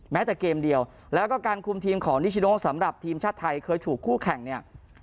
แม้แต่เกมเดียวแล้วก็การคุมทีมของนิชิโนสำหรับทีมชาติไทยเคยถูกคู่แข่งเนี่ย